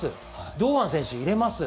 堂安選手を入れます。